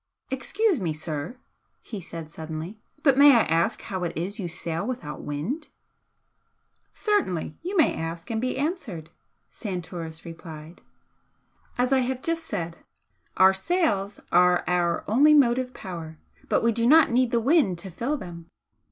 "Excuse me, sir," he said, suddenly "but may I ask how it is you sail without wind?" "Certainly! you may ask and be answered!" Santoris replied. "As I have just said, our sails are our only motive power, but we do not need the wind to fill them.